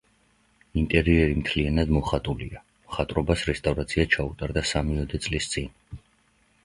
ინტერიერი მთლიანად მოხატულია, მხატვრობას რესტავრაცია ჩაუტარდა სამიოდე წლის წინ.